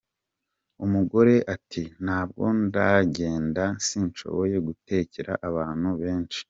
Umugore ati “nabwo ndagenda sinshoboye gutekera abantu benshi”.